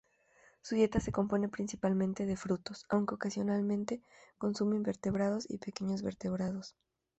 Su dieta se compone principalmente de frutos, aunque ocasionalmente consume invertebrados y pequeños vertebrados.